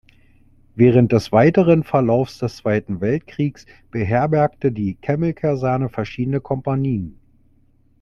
Während des weiteren Verlaufs des Zweiten Weltkriegs beherbergte die Kemmel-Kaserne verschiedene Kompanien.